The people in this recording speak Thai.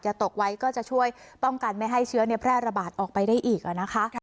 ตกไว้ก็จะช่วยป้องกันไม่ให้เชื้อแพร่ระบาดออกไปได้อีกนะคะ